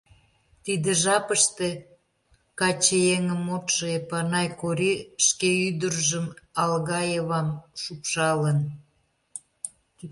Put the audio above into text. Тиде жапыште каче еҥым модшо Эпанай Кори «шке ӱдыржым», Алгаевам, шупшалын.